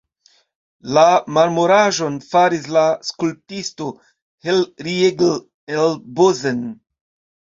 La marmoraĵon faris la skulptisto Hellriegl el Bozen.